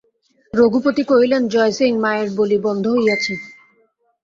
রঘুপতি কহিলেন, জয়সিং, মায়ের বলি বন্ধ হইয়াছে।